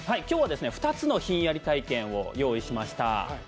今日は、２つのひんやり体験を用意しました。